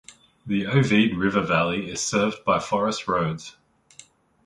The Ovide river valley is served by forest roads.